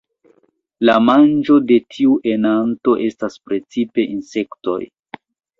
La manĝo de tiu enanto estas precipe insektoj.